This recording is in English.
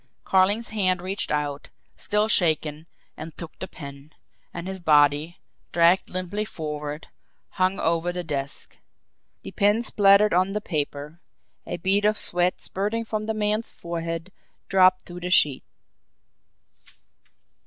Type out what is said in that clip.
Carling's hand reached out, still shaking, and took the pen; and his body, dragged limply forward, hung over the desk. The pen spluttered on the paper a bead of sweat spurting from the man's forehead dropped to the sheet.